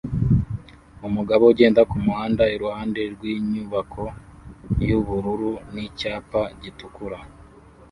Umugabo ugenda kumuhanda iruhande rwinyubako yubururu nicyapa gitukura